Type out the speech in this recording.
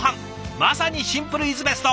まさにシンプルイズベスト！